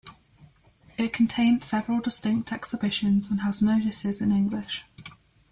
It contains several distinct exhibitions and has notices in English.